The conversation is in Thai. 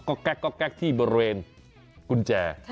ก็แก๊กที่บริเวณกุญแจ